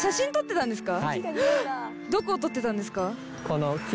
どこを撮ってたんですか？